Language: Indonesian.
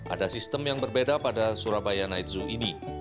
ada sistem yang berbeda pada surabaya night zoo ini